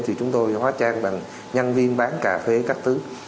thì chúng tôi hóa trang bằng nhân viên bán cà phê các thứ